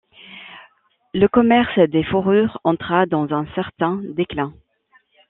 Le commerce des fourrures entra dans un certain déclin.